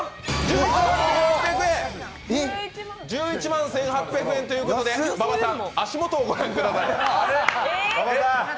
１１万１８００円ということで、馬場さん、足元を御覧ください。